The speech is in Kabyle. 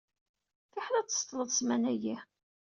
Fiḥel ad d-tseṭṭleḍ ssmana-yi.